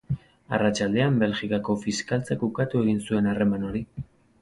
Arratsaldean, Belgikako Fiskaltzak ukatu egin zuen harreman hori.